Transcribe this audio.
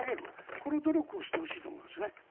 この努力をしてほしいと思いますね。